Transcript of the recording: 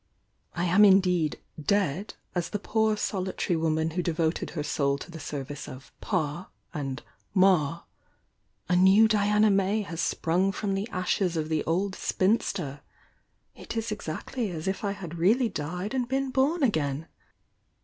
I am indeed 'dead' as the poor solitary woman who devoted her soul to the service of 'Pa' and 'Ma'; a new Diana May has sprung from the adies of the old spinster! — it is exactly as if I had really died and been bom again!